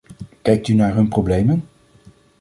Kijkt u naar hun problemen!